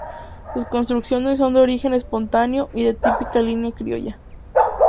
Sus construcciones son de origen espontáneo y de típica línea criolla.